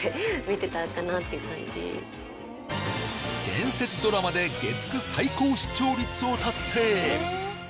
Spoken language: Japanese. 伝説ドラマで月９最高視聴率を達成